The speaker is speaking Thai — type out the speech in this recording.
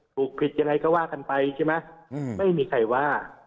ถูกผิดยังไงก็ว่ากันไปใช่ไหมไม่มีใครว่า